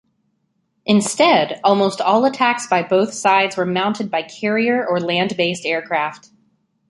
Instead, almost all attacks by both sides were mounted by carrier or land-based aircraft.